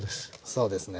そうですね